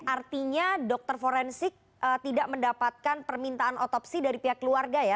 artinya dokter forensik tidak mendapatkan permintaan otopsi dari pihak keluarga ya